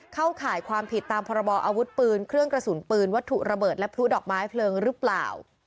เข้าข่ายความผิดตามพรบออาวุธปืนเครื่องกระสุนปืนวัตถุระเบิดและพลุดอกไม้เพลิงหรือเปล่า